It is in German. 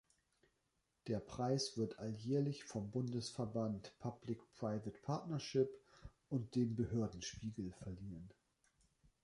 Der Preis wird alljährlich vom Bundesverband Public Private Partnership und dem Behörden Spiegel verliehen.